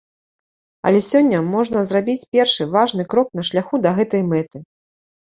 Але сёння можна зрабіць першы важны крок на шляху да гэтай мэты.